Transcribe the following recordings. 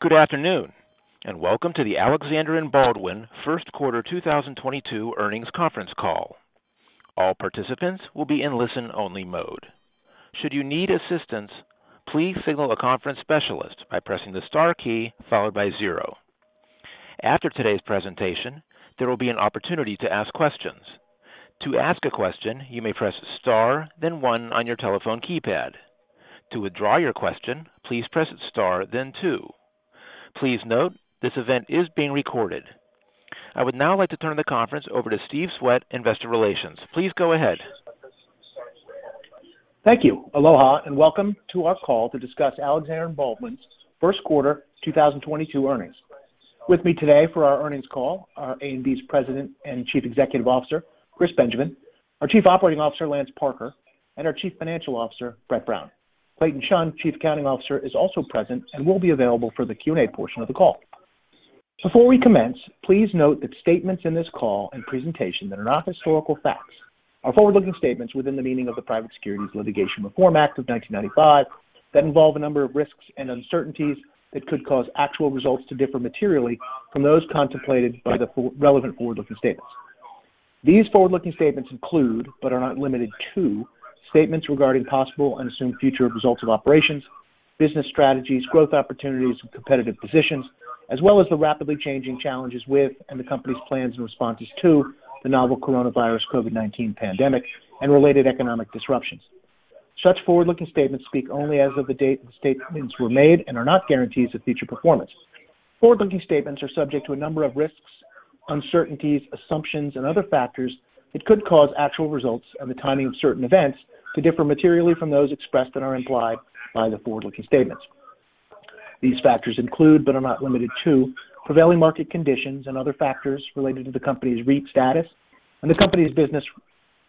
Good afternoon, and welcome to the Alexander & Baldwin Q1 2022 earnings conference call. All participants will be in listen-only mode. Should you need assistance, please signal a conference specialist by pressing the star key followed by zero. After today's presentation, there will be an opportunity to ask questions. To ask a question, you may press star then one on your telephone keypad. To withdraw your question, please press star then two. Please note this event is being recorded. I would now like to turn the conference over to Steve Swett, Investor Relations. Please go ahead. Thank you. Aloha, and welcome to our call to discuss Alexander & Baldwin's Q1 2022 earnings. With me today for our earnings call are A&B's President and Chief Executive Officer, Christopher Benjamin, our Chief Operating Officer, Lance Parker, and our Chief Financial Officer, Brett Brown. Clayton Chun, Chief Accounting Officer, is also present and will be available for the Q&A portion of the call. Before we commence, please note that statements in this call and presentation that are not historical facts are forward-looking statements within the meaning of the Private Securities Litigation Reform Act of 1995 that involve a number of risks and uncertainties that could cause actual results to differ materially from those contemplated by the relevant forward-looking statements. These forward-looking statements include, but are not limited to, statements regarding possible and assumed future results of operations, business strategies, growth opportunities, and competitive positions, as well as the rapidly changing challenges with and the company's plans and responses to the novel coronavirus COVID-19 pandemic and related economic disruptions. Such forward-looking statements speak only as of the date the statements were made and are not guarantees of future performance. Forward-looking statements are subject to a number of risks, uncertainties, assumptions, and other factors that could cause actual results and the timing of certain events to differ materially from those expressed or implied by the forward-looking statements. These factors include, but are not limited to, prevailing market conditions and other factors related to the company's REIT status and the company's business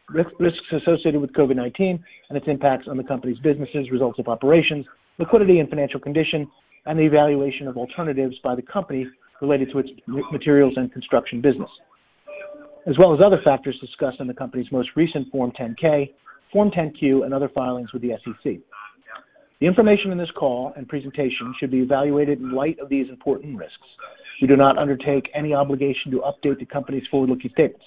risks associated with COVID-19 and its impacts on the company's businesses, results of operations, liquidity and financial condition, and the evaluation of alternatives by the company related to its materials and construction business, as well as other factors discussed in the company's most recent Form 10-K, Form 10-Q, and other filings with the SEC. The information in this call and presentation should be evaluated in light of these important risks. We do not undertake any obligation to update the company's forward-looking statements.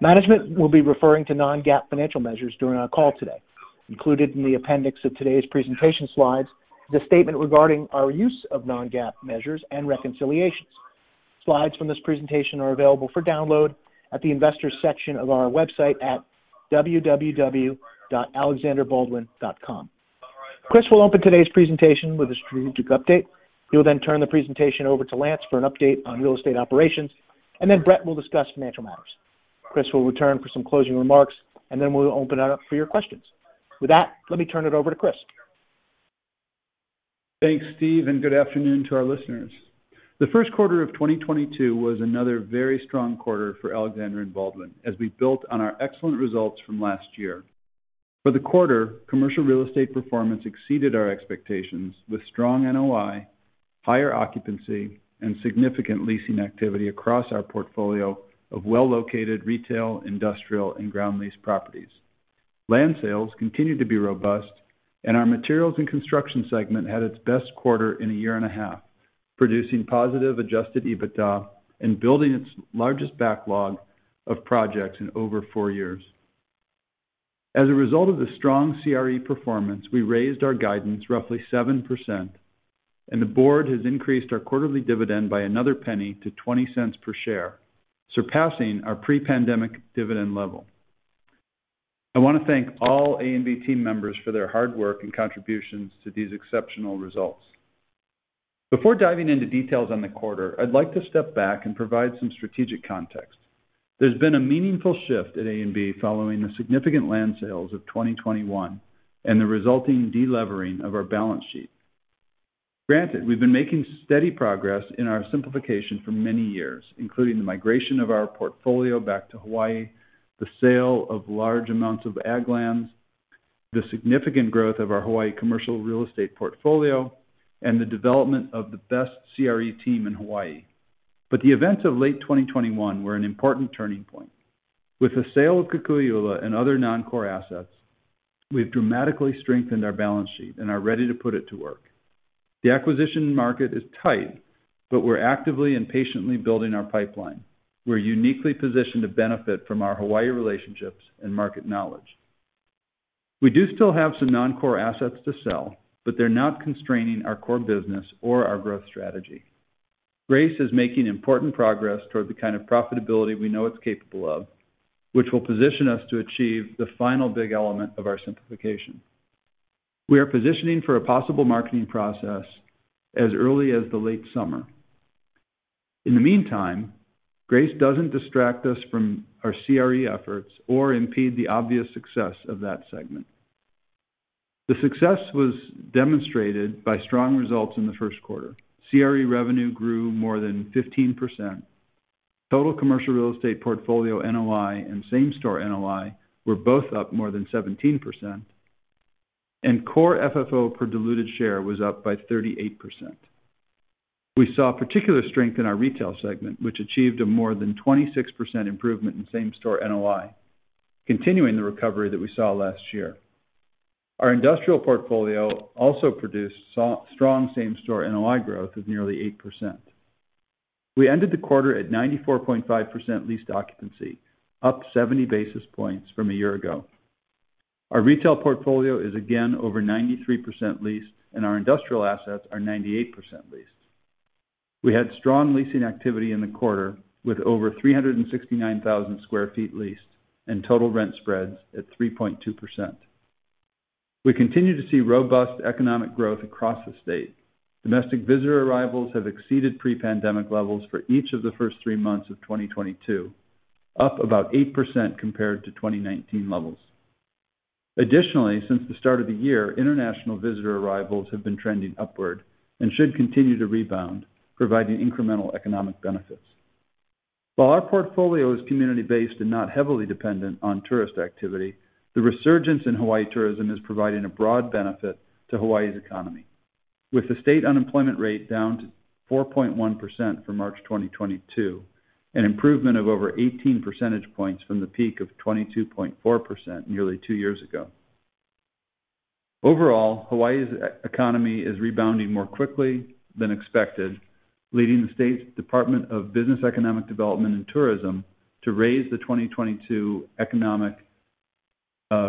Management will be referring to non-GAAP financial measures during our call today. Included in the appendix of today's presentation slides is a statement regarding our use of non-GAAP measures and reconciliations. Slides from this presentation are available for download at the investors section of our website at www.alexanderbaldwin.com. Chris will open today's presentation with a strategic update. He will then turn the presentation over to Lance for an update on real estate operations, and then Brett will discuss financial matters. Chris will return for some closing remarks, and then we'll open it up for your questions. With that, let me turn it over to Chris. Thanks, Steve, and good afternoon to our listeners. The first quarter of 2022 was another very strong quarter for Alexander & Baldwin as we built on our excellent results from last year. For the quarter, commercial real estate performance exceeded our expectations with strong NOI, higher occupancy, and significant leasing activity across our portfolio of well-located retail, industrial, and ground lease properties. Land sales continued to be robust and our materials and construction segment had its best quarter in a year and a half, producing positive adjusted EBITDA and building its largest backlog of projects in over four years. As a result of the strong CRE performance, we raised our guidance roughly 7% and the board has increased our quarterly dividend by another penny to $0.20 per share, surpassing our pre-pandemic dividend level. I want to thank all A&B team members for their hard work and contributions to these exceptional results. Before diving into details on the quarter, I'd like to step back and provide some strategic context. There's been a meaningful shift at A&B following the significant land sales of 2021 and the resulting de-levering of our balance sheet. Granted, we've been making steady progress in our simplification for many years, including the migration of our portfolio back to Hawaii, the sale of large amounts of ag lands, the significant growth of our Hawaii commercial real estate portfolio, and the development of the best CRE team in Hawaii. The events of late 2021 were an important turning point. With the sale of Kukui'ula and other non-core assets, we've dramatically strengthened our balance sheet and are ready to put it to work. The acquisition market is tight, but we're actively and patiently building our pipeline. We're uniquely positioned to benefit from our Hawaii relationships and market knowledge. We do still have some non-core assets to sell, but they're not constraining our core business or our growth strategy. Grace is making important progress toward the kind of profitability we know it's capable of, which will position us to achieve the final big element of our simplification. We are positioning for a possible marketing process as early as the late summer. In the meantime, Grace doesn't distract us from our CRE efforts or impede the obvious success of that segment. The success was demonstrated by strong results in the first quarter. CRE revenue grew more than 15%. Total commercial real estate portfolio NOI and same-store NOI were both up more than 17%, and Core FFO per diluted share was up by 38%. We saw particular strength in our retail segment, which achieved a more than 26% improvement in same-store NOI, continuing the recovery that we saw last year. Our industrial portfolio also produced strong same-store NOI growth of nearly 8%. We ended the quarter at 94.5% leased occupancy, up 70 basis points from a year ago. Our retail portfolio is again over 93% leased, and our industrial assets are 98% leased. We had strong leasing activity in the quarter, with over 369,000 sq ft leased and total rent spreads at 3.2%. We continue to see robust economic growth across the state. Domestic visitor arrivals have exceeded pre-pandemic levels for each of the first three months of 2022, up about 8% compared to 2019 levels. Additionally, since the start of the year, international visitor arrivals have been trending upward and should continue to rebound, providing incremental economic benefits. While our portfolio is community-based and not heavily dependent on tourist activity, the resurgence in Hawaii tourism is providing a broad benefit to Hawaii's economy, with the state unemployment rate down to 4.1% for March 2022, an improvement of over 18 percentage points from the peak of 22.4% nearly two years ago. Overall, Hawaii's economy is rebounding more quickly than expected, leading the state's Department of Business, Economic Development and Tourism to raise the 2022 economic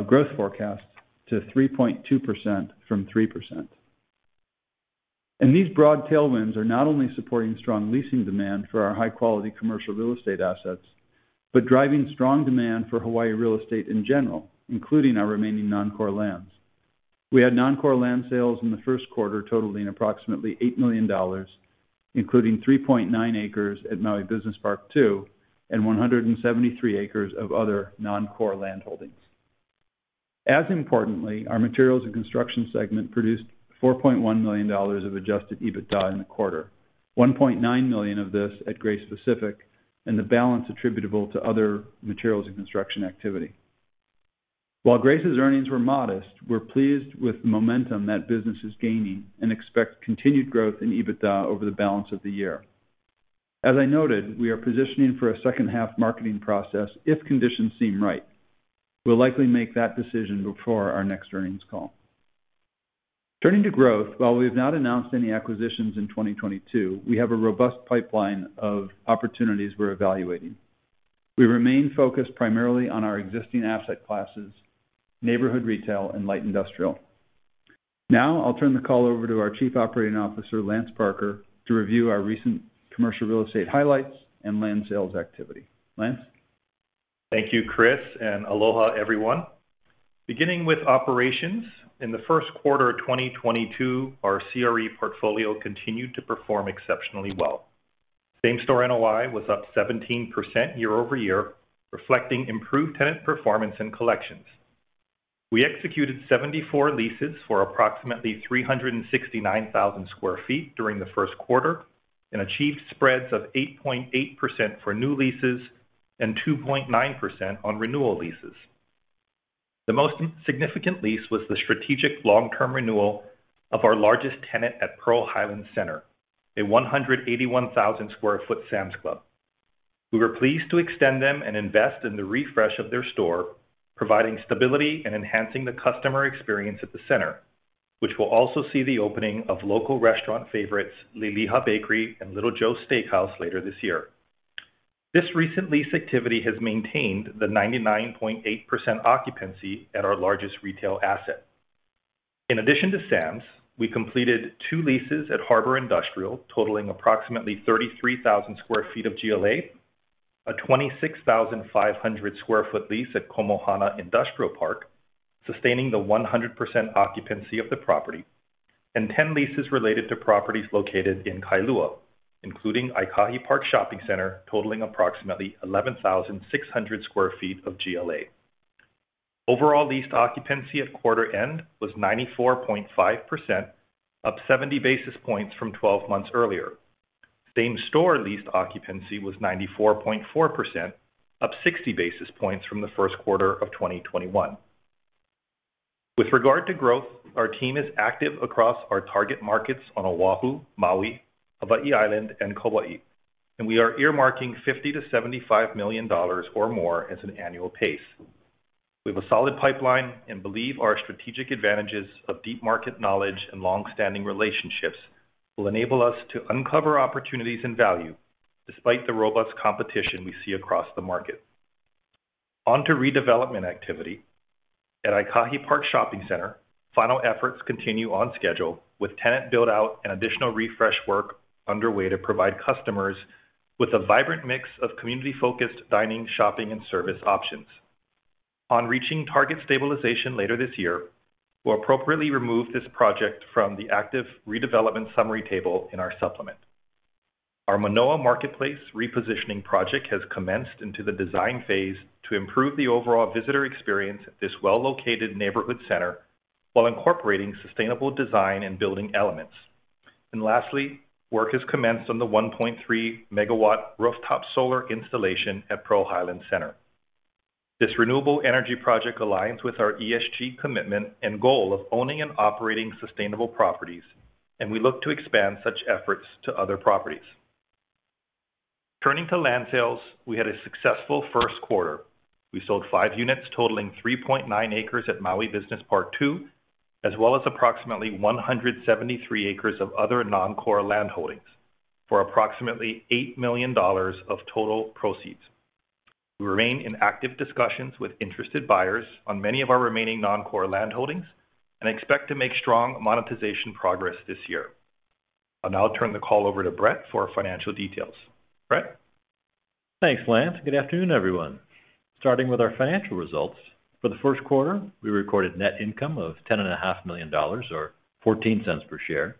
growth forecast to 3.2% from 3%. These broad tailwinds are not only supporting strong leasing demand for our high-quality commercial real estate assets, but driving strong demand for Hawaii real estate in general, including our remaining non-core lands. We had non-core land sales in the first quarter totaling approximately $8 million, including 3.9 acres at Maui Business Park Two and 173 acres of other non-core landholdings. As importantly, our materials and construction segment produced $4.1 million of adjusted EBITDA in the quarter, $1.9 million of this at Grace Pacific, and the balance attributable to other materials and construction activity. While Grace's earnings were modest, we're pleased with the momentum that business is gaining and expect continued growth in EBITDA over the balance of the year. As I noted, we are positioning for a second-half marketing process if conditions seem right. We'll likely make that decision before our next earnings call. Turning to growth, while we have not announced any acquisitions in 2022, we have a robust pipeline of opportunities we're evaluating. We remain focused primarily on our existing asset classes, neighborhood retail and light industrial. Now I'll turn the call over to our Chief Operating Officer, Lance Parker, to review our recent commercial real estate highlights and land sales activity. Lance? Thank you, Chris, and aloha, everyone. Beginning with operations, in the Q1 of 2022, our CRE portfolio continued to perform exceptionally well. Same-store NOI was up 17% year-over-year, reflecting improved tenant performance and collections. We executed 74 leases for approximately 369,000 sq ft during the first quarter and achieved spreads of 8.8% for new leases and 2.9% on renewal leases. The most significant lease was the strategic long-term renewal of our largest tenant at Pearl Highlands Center, a 181,000 sq ft Sam's Club. We were pleased to extend them and invest in the refresh of their store, providing stability and enhancing the customer experience at the center, which will also see the opening of local restaurant favorites Liliha Bakery and Little Joe's Steakhouse later this year. This recent lease activity has maintained the 99.8% occupancy at our largest retail asset. In addition to Sam's, we completed two leases at Harbor Industrial, totaling approximately 33,000 sq ft of GLA, a 26,500 sq ft lease at Komohana Industrial Park, sustaining the 100% occupancy of the property, and ten leases related to properties located in Kailua, including Aikahi Park Shopping Center, totaling approximately 11,600 sq ft of GLA. Overall leased occupancy at quarter end was 94.5%, up 70 basis points from 12 months earlier. Same-store leased occupancy was 94.4%, up 60 basis points from the first quarter of 2021. With regard to growth, our team is active across our target markets on Oahu, Maui, Hawaii Island, and Kauai, and we are earmarking $50 million-$75 million or more as an annual pace. We have a solid pipeline and believe our strategic advantages of deep market knowledge and long-standing relationships will enable us to uncover opportunities and value despite the robust competition we see across the market. On to redevelopment activity. At Aikahi Park Shopping Center, final efforts continue on schedule with tenant build-out and additional refresh work underway to provide customers with a vibrant mix of community-focused dining, shopping, and service options. On reaching target stabilization later this year, we'll appropriately remove this project from the active redevelopment summary table in our supplement. Our Manoa Marketplace repositioning project has commenced into the design phase to improve the overall visitor experience at this well-located neighborhood center while incorporating sustainable design and building elements. Lastly, work has commenced on the 1.3-MW rooftop solar installation at Pearl Highlands Center. This renewable energy project aligns with our ESG commitment and goal of owning and operating sustainable properties, and we look to expand such efforts to other properties. Turning to land sales, we had a successful first quarter. We sold five units totaling 3.9 acres at Maui Business Park II, as well as approximately 173 acres of other non-core land holdings for approximately $8 million of total proceeds. We remain in active discussions with interested buyers on many of our remaining non-core land holdings and expect to make strong monetization progress this year. I'll now turn the call over to Brett for financial details. Brett? Thanks, Lance. Good afternoon, everyone. Starting with our financial results. For the first quarter, we recorded net income of $10.5 million or $0.14 per share,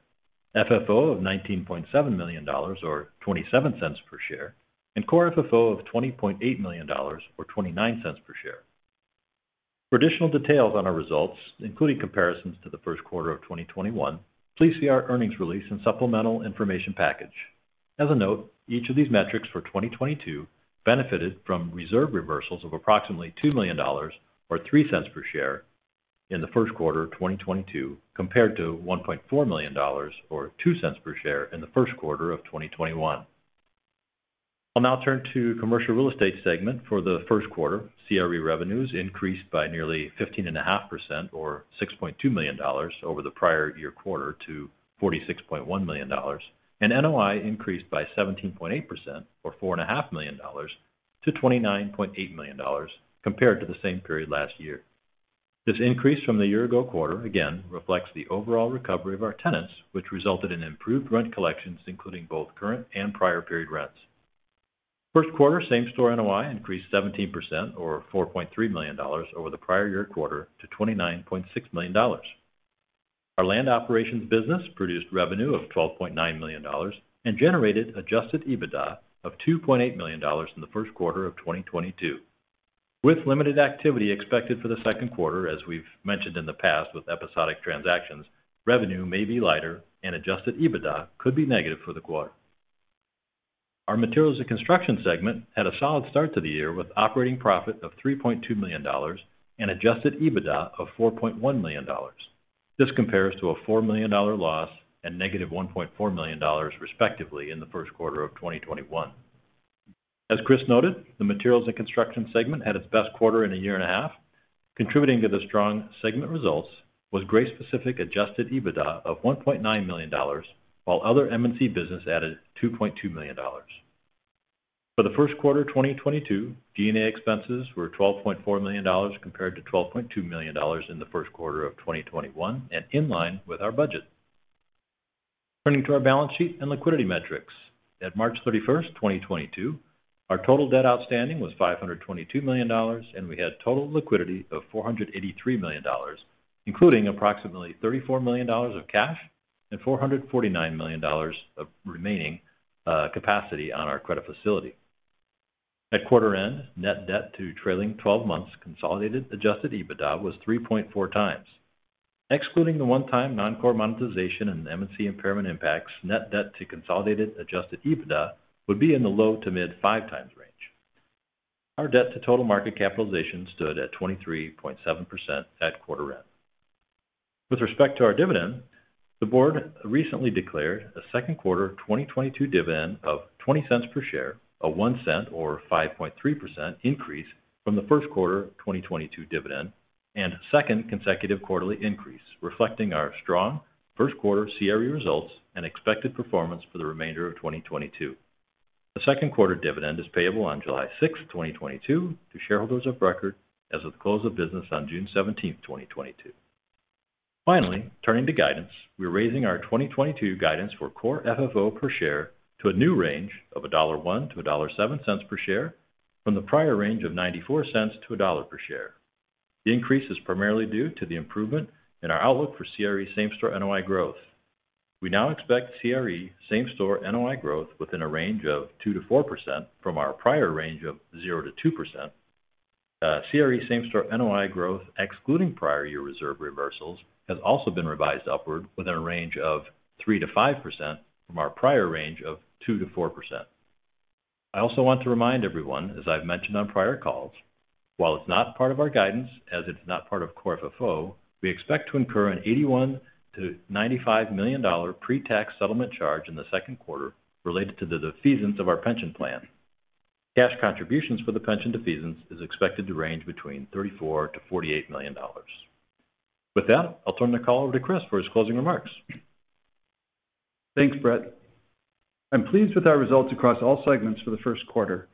FFO of $19.7 million or $0.27 per share, and Core FFO of $20.8 million or $0.29 per share. For additional details on our results, including comparisons to the first quarter of 2021, please see our earnings release and supplemental information package. As a note, each of these metrics for 2022 benefited from reserve reversals of approximately $2 million or $0.03 per share in the Q1 of 2022, compared to $1.4 million or $0.02 per share in the Q1 of 2021. I'll now turn to commercial real estate segment for the first quarter. CRE revenues increased by nearly 15.5% or $6.2 million over the prior year quarter to $46.1 million, and NOI increased by 17.8% or $4.5 million to $29.8 million compared to the same period last year. This increase from the year ago quarter again reflects the overall recovery of our tenants, which resulted in improved rent collections, including both current and prior period rents. first quarter same-store NOI increased 17% or $4.3 million over the prior year quarter to $29.6 million. Our land operations business produced revenue of $12.9 million and generated adjusted EBITDA of $2.8 million in the first quarter of 2022. With limited activity expected for the second quarter, as we've mentioned in the past with episodic transactions, revenue may be lighter and adjusted EBITDA could be negative for the quarter. Our materials and construction segment had a solid start to the year with operating profit of $3.2 million and adjusted EBITDA of $4.1 million. This compares to a $4 million loss and negative $1.4 million, respectively, in the first quarter of 2021. As Chris noted, the materials and construction segment had its best quarter in a year and a half. Contributing to the strong segment results was Grace Pacific adjusted EBITDA of $1.9 million, while other M&C business added $2.2 million. For the first quarter of 2022, G&A expenses were $12.4 million compared to $12.2 million in the first quarter of 2021 and in line with our budget. Turning to our balance sheet and liquidity metrics, at March 31, 2022, our total debt outstanding was $522 million, and we had total liquidity of $483 million, including approximately $34 million of cash and $449 million of remaining capacity on our credit facility. At quarter end, net debt to trailing 12 months consolidated adjusted EBITDA was 3.4x. Excluding the one-time non-core monetization and M&C impairment impacts, net debt to consolidated adjusted EBITDA would be in the low- to mid-5x range. Our debt to total market capitalization stood at 23.7% at quarter end. With respect to our dividend, the board recently declared a second quarter 2022 dividend of $0.20 per share, a $0.01 or 5.3% increase from the first quarter of 2022 dividend and second consecutive quarterly increase, reflecting our strong first quarter CRE results and expected performance for the remainder of 2022. The second quarter dividend is payable on July 6, 2022 to shareholders of record as of the close of business on June 17, 2022. Finally, turning to guidance, we're raising our 2022 guidance for core FFO per share to a new range of $1.01-$1.07 per share from the prior range of $0.94-$1.00 per share. The increase is primarily due to the improvement in our outlook for CRE same-store NOI growth. We now expect CRE same-store NOI growth within a range of 2%-4% from our prior range of 0%-2%. CRE same-store NOI growth excluding prior year reserve reversals has also been revised upward within a range of 3%-5% from our prior range of 2%-4%. I also want to remind everyone, as I've mentioned on prior calls, while it's not part of our guidance as it's not part of Core FFO, we expect to incur an $81-$95 million pre-tax settlement charge in the second quarter related to the defeasance of our pension plan. Cash contributions for the pension defeasance is expected to range between $34-$48 million. With that, I'll turn the call over to Chris for his closing remarks. Thanks, Brett. I'm pleased with our results across all segments for the first quarter.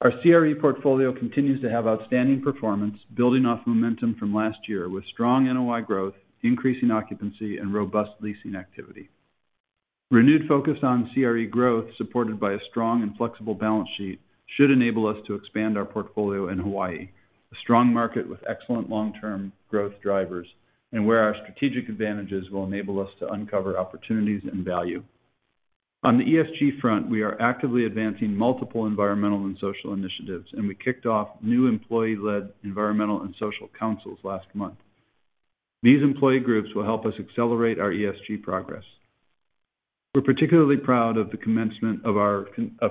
Our CRE portfolio continues to have outstanding performance, building off momentum from last year with strong NOI growth, increasing occupancy, and robust leasing activity. Renewed focus on CRE growth supported by a strong and flexible balance sheet should enable us to expand our portfolio in Hawaii, a strong market with excellent long-term growth drivers, and where our strategic advantages will enable us to uncover opportunities and value. On the ESG front, we are actively advancing multiple environmental and social initiatives, and we kicked off new employee-led environmental and social councils last month. These employee groups will help us accelerate our ESG progress. We're particularly proud of the commencement of our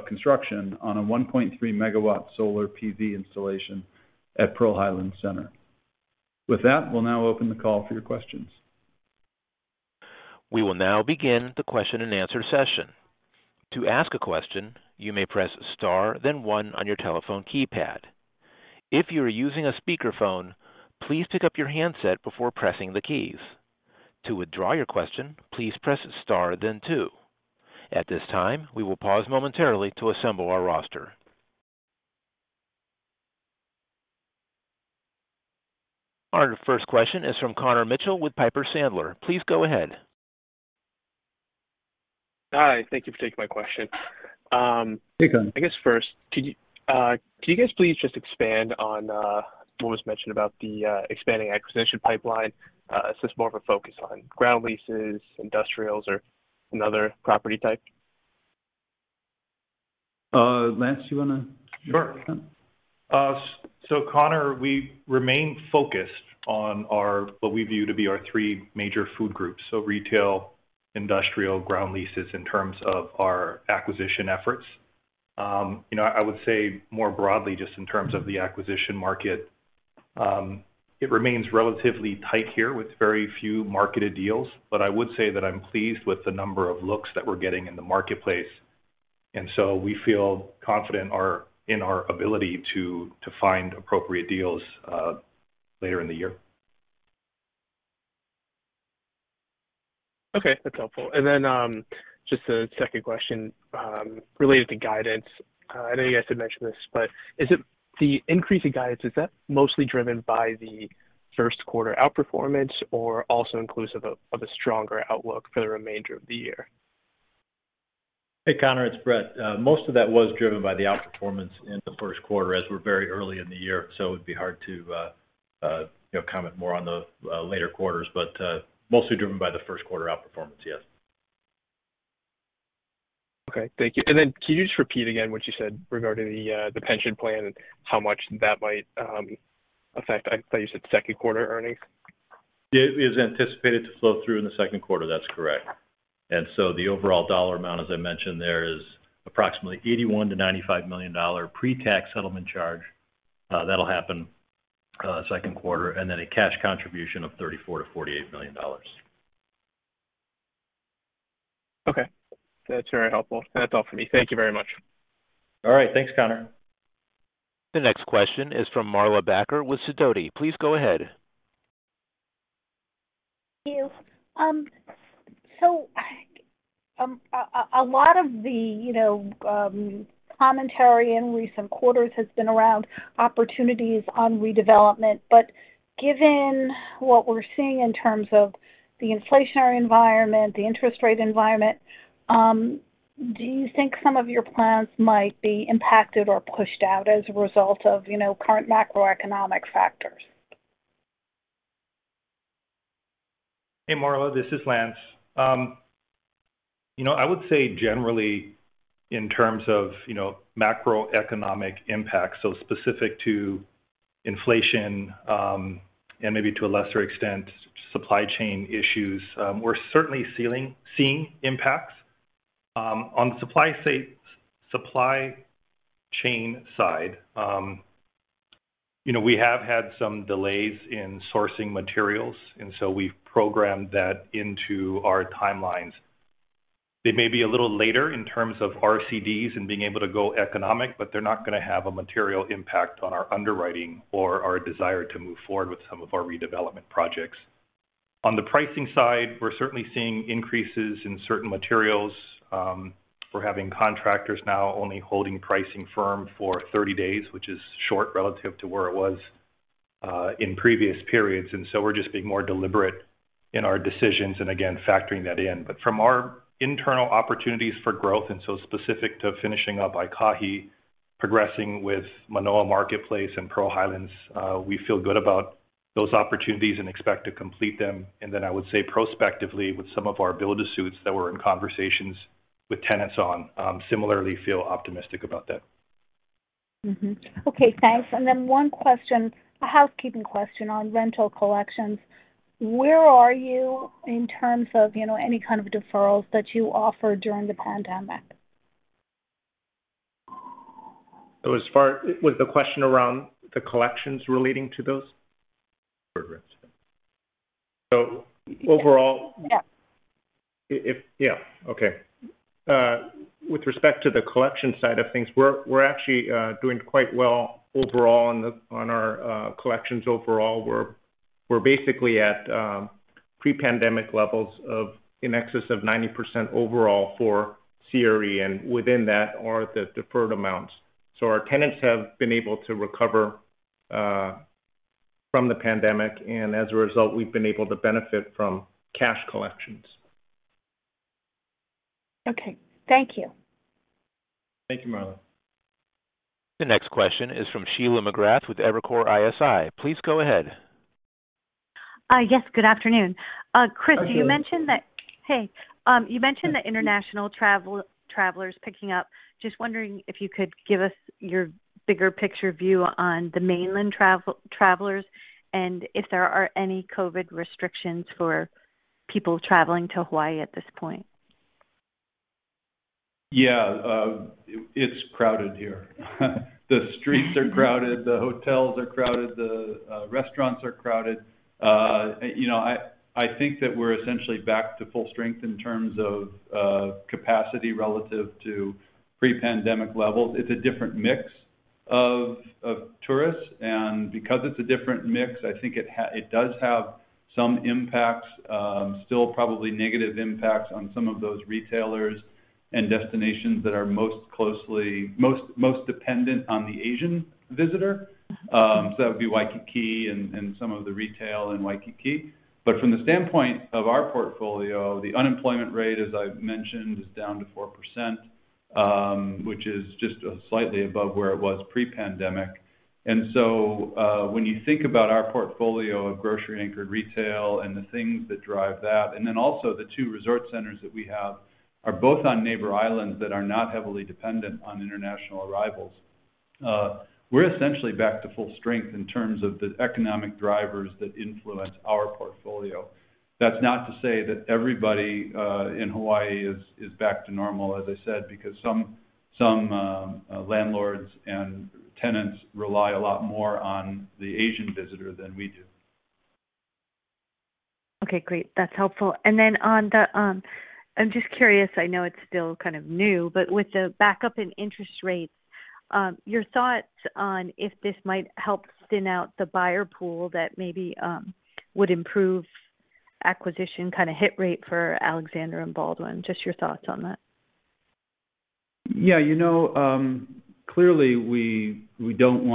construction on a 1.3 MW solar PV installation at Pearl Highlands Center. With that, we'll now open the call for your questions. We will now begin the question and answer session. To ask a question, you may press Star then one on your telephone keypad. If you are using a speakerphone, please pick up your handset before pressing the keys. To withdraw your question, please press Star then two. At this time, we will pause momentarily to assemble our roster. Our first question is from Connor Mitchell with Piper Sandler. Please go ahead. Hi. Thank you for taking my question. Hey, Connor. I guess first, can you guys please just expand on what was mentioned about the expanding acquisition pipeline? Is this more of a focus on ground leases, industrials, or another property type? Lance, you want to- Sure. Connor, we remain focused on our what we view to be our three major food groups. Retail, industrial, ground leases in terms of our acquisition efforts. I would say more broadly, just in terms of the acquisition market, it remains relatively tight here with very few marketed deals. I would say that I'm pleased with the number of looks that we're getting in the marketplace, and we feel confident in our ability to find appropriate deals later in the year. Okay, that's helpful. Just a second question related to guidance. I know you guys had mentioned this, but is it the increase in guidance, is that mostly driven by the first quarter outperformance or also inclusive of a stronger outlook for the remainder of the year? Hey, Connor, it's Brett. Most of that was driven by the outperformance in the first quarter as we're very early in the year, so it would be hard to comment more on the later quarters, but, mostly driven by the first quarter outperformance, yes. Okay. Thank you. Can you just repeat again what you said regarding the pension plan and how much that might affect? I thought you said second quarter earnings. It is anticipated to flow through in the second quarter. That's correct. The overall dollar amount, as I mentioned there, is approximately $81-$95 million pre-tax settlement charge. That'll happen, second quarter, and then a cash contribution of $34-$48 million. Okay. That's very helpful. That's all for me. Thank you very much. All right. Thanks, Connor. The next question is from Marla Backer with Sidoti. Please go ahead. Thank you. A lot of the commentary in recent quarters has been around opportunities on redevelopment. Given what we're seeing in terms of the inflationary environment, the interest rate environment, do you think some of your plans might be impacted or pushed out as a result of current macroeconomic factors? Hey, Marla, this is Lance. I would say generally in terms of macroeconomic impacts, so specific to inflation, and maybe to a lesser extent, supply chain issues, we're certainly seeing impacts. On supply chain side, we have had some delays in sourcing materials, and so we've programmed that into our timelines. They may be a little later in terms of RCDs and being able to go economic, but they're not going to have a material impact on our underwriting or our desire to move forward with some of our redevelopment projects. On the pricing side, we're certainly seeing increases in certain materials. We're having contractors now only holding pricing firm for 30 days, which is short relative to where it was in previous periods. We're just being more deliberate in our decisions and again, factoring that in. From our internal opportunities for growth and so specific to finishing up Aikahi, progressing with Manoa Marketplace and Pearl Highlands, we feel good about those opportunities and expect to complete them. I would say prospectively with some of our build-to-suits that we're in conversations with tenants on, similarly feel optimistic about that. Mm-hmm. Okay, thanks. One question, a housekeeping question on rental collections. Where are you in terms of any kind of deferrals that you offered during the pandemic? Was the question around the collections relating to those? Overall- Yes. With respect to the collection side of things, we're actually doing quite well overall on our collections overall. We're basically at pre-pandemic levels of in excess of 90% overall for CRE and within that are the deferred amounts. Our tenants have been able to recover from the pandemic, and as a result, we've been able to benefit from cash collections. Okay. Thank you. Thank you, Marla. The next question is from Sheila McGrath with Evercore ISI. Please go ahead. Yes, good afternoon. Hi, Sheila. Chris, you mentioned the international travelers picking up. Just wondering if you could give us your bigger picture view on the mainland travelers and if there are any COVID restrictions for people traveling to Hawaii at this point. Yeah, it's crowded here. The streets are crowded, the hotels are crowded, the restaurants are crowded. I think that we're essentially back to full strength in terms of capacity relative to pre-pandemic levels. It's a different mix of tourists, and because it's a different mix, I think it does have some impacts, still probably negative impacts on some of those retailers and destinations that are most closely dependent on the Asian visitor. So that would be Waikiki and some of the retail in Waikiki. But from the standpoint of our portfolio, the unemployment rate, as I've mentioned, is down to 4%, which is just slightly above where it was pre-pandemic. When you think about our portfolio of grocery anchored retail and the things that drive that, and then also the two resort centers that we have are both on neighbor islands that are not heavily dependent on international arrivals. We're essentially back to full strength in terms of the economic drivers that influence our portfolio. That's not to say that everybody in Hawaii is back to normal, as I said, because some landlords and tenants rely a lot more on the Asian visitor than we do. Okay, great. That's helpful. On the, I'm just curious, I know it's still kind of new, but with the backup in interest rates, your thoughts on if this might help thin out the buyer pool that maybe would improve acquisition kind of hit rate for Alexander & Baldwin. Just your thoughts on that? Yeah. Clearly, we don't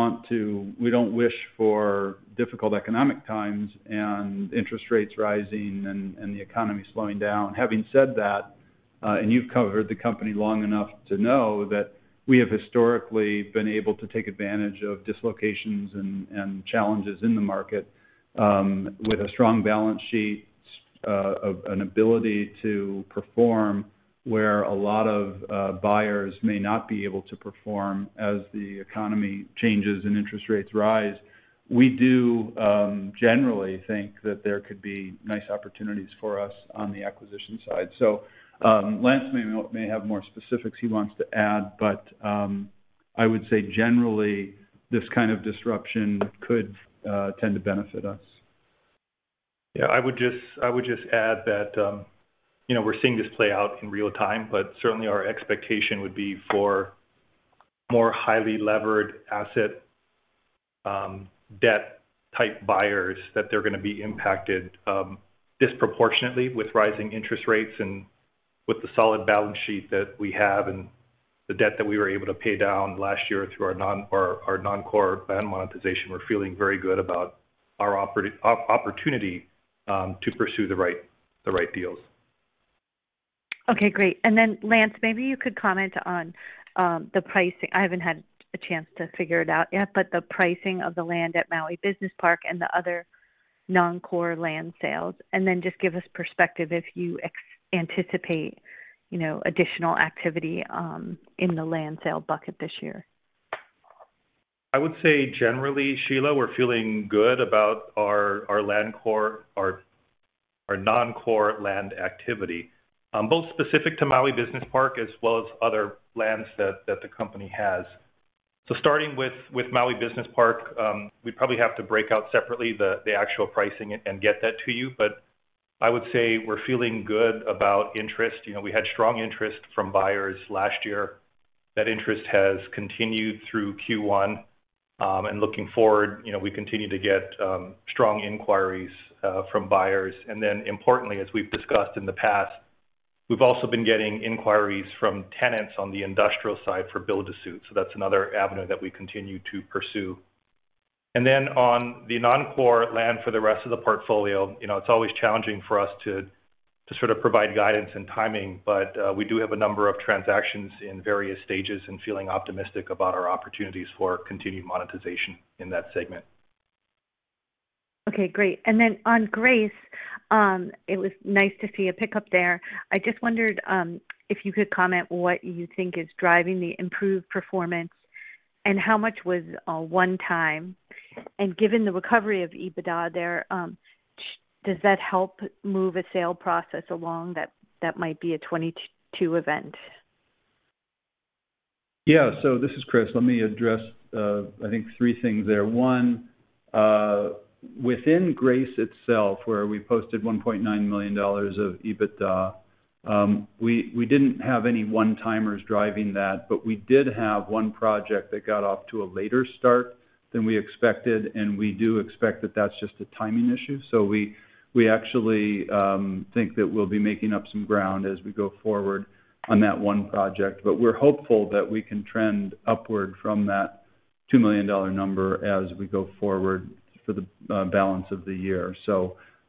wish for difficult economic times and interest rates rising and the economy slowing down. Having said that, and you've covered the company long enough to know that we have historically been able to take advantage of dislocations and challenges in the market with a strong balance sheet, such as an ability to perform where a lot of buyers may not be able to perform as the economy changes and interest rates rise. We do generally think that there could be nice opportunities for us on the acquisition side. Lance may have more specifics he wants to add, but I would say generally this kind of disruption could tend to benefit us. Yeah, I would just add that, we're seeing this play out in real time, but certainly our expectation would be for more highly levered asset debt type buyers that they're gonna be impacted disproportionately with rising interest rates. With the solid balance sheet that we have and the debt that we were able to pay down last year through our non-core land monetization, we're feeling very good about our opportunity to pursue the right deals. Okay, great. Lance, maybe you could comment on the pricing. I haven't had a chance to figure it out yet, but the pricing of the land at Maui Business Park and the other non-core land sales, and then just give us perspective if you anticipate additional activity in the land sale bucket this year. I would say generally, Sheila, we're feeling good about our non-core land activity, both specific to Maui Business Park as well as other lands that the company has. Starting with Maui Business Park, we probably have to break out separately the actual pricing and get that to you. I would say we're feeling good about interest. You know, we had strong interest from buyers last year. That interest has continued through Q1. Looking forward, you know, we continue to get strong inquiries from buyers. Then importantly, as we've discussed in the past, we've also been getting inquiries from tenants on the industrial side for build to suit. That's another avenue that we continue to pursue. On the non-core land for the rest of the portfolio, you know, it's always challenging for us to sort of provide guidance and timing, but we do have a number of transactions in various stages and feeling optimistic about our opportunities for continued monetization in that segment. Okay, great. On Grace, it was nice to see a pickup there. I just wondered if you could comment what you think is driving the improved performance and how much was one time. Given the recovery of EBITDA there, does that help move a sale process along that might be a 2022 event? Yeah. This is Chris. Let me address, I think three things there. One, within Grace itself, where we posted $1.9 million of EBITDA, we didn't have any one-timers driving that, but we did have one project that got off to a later start than we expected, and we do expect that that's just a timing issue. We actually think that we'll be making up some ground as we go forward on that one project. We're hopeful that we can trend upward from that $2 million number as we go forward for the balance of the year.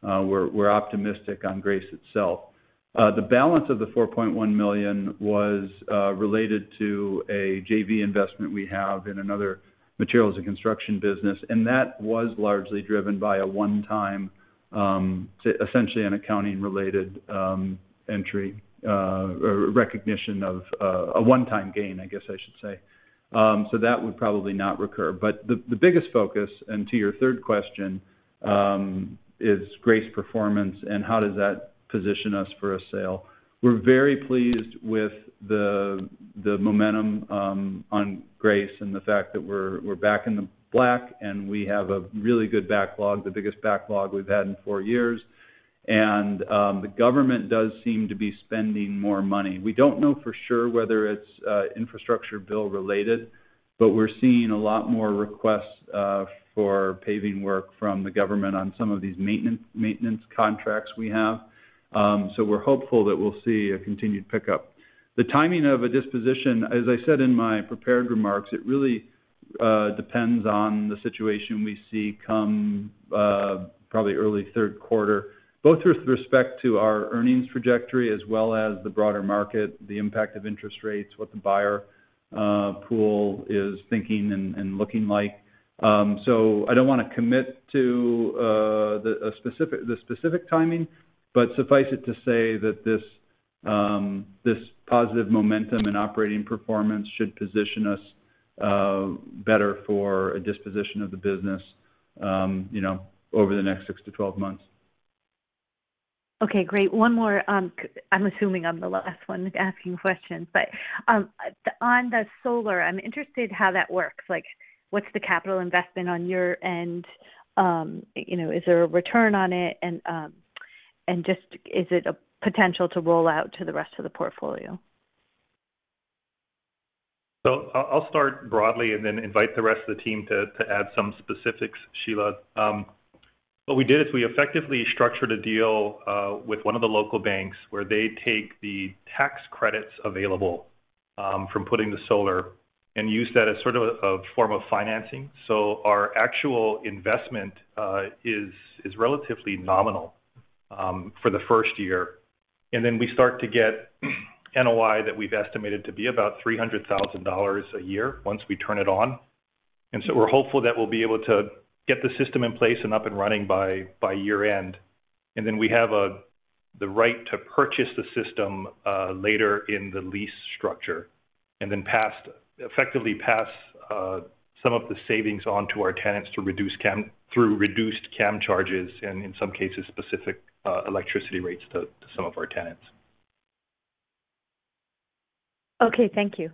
We're optimistic on Grace itself. The balance of the $4.1 million was related to a JV investment we have in another materials and construction business, and that was largely driven by a one-time essentially an accounting-related entry recognition of a one-time gain. That would probably not recur. The biggest focus and to your third question is Grace performance and how does that position us for a sale. We're very pleased with the momentum on Grace and the fact that we're back in the black, and we have a really good backlog, the biggest backlog we've had in four years. The government does seem to be spending more money. We don't know for sure whether it's infrastructure bill related, but we're seeing a lot more requests for paving work from the government on some of these maintenance contracts we have. We're hopeful that we'll see a continued pickup. The timing of a disposition, as I said in my prepared remarks, it really depends on the situation we see come probably early third quarter, both with respect to our earnings trajectory as well as the broader market, the impact of interest rates, what the buyer pool is thinking and looking like. I don't wanna commit to a specific timing, but suffice it to say that this positive momentum and operating performance should position us better for a disposition of the business over the next six to 12 months. Okay, great. One more. I'm assuming I'm the last one asking questions, but on the solar, I'm interested how that works. Like, what's the capital investment on your end? Is there a return on it? Is it a potential to roll out to the rest of the portfolio? I'll start broadly and then invite the rest of the team to add some specifics, Sheila. What we did is we effectively structured a deal with one of the local banks where they take the tax credits available from putting the solar and use that as sort of a form of financing. Our actual investment is relatively nominal for the first year. We start to get NOI that we've estimated to be about $300,000 a year once we turn it on. We're hopeful that we'll be able to get the system in place and up and running by year-end. We have the right to purchase the system later in the lease structure, and then effectively pass some of the savings on to our tenants to reduce CAM through reduced CAM charges and in some cases, specific electricity rates to some of our tenants. Okay, thank you.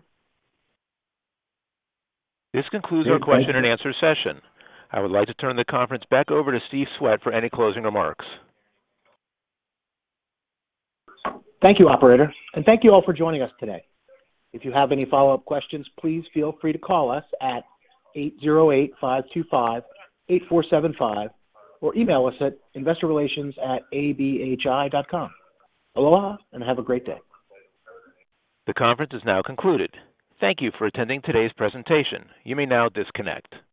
This concludes our question and answer session. I would like to turn the conference back over to Steve Swett for any closing remarks. Thank you, operator, and thank you all for joining us today. If you have any follow-up questions, please feel free to call us at 808-525-8475 or email us at investorrelations@abhi.com. Aloha, and have a great day. The conference is now concluded. Thank you for attending today's presentation. You may now disconnect.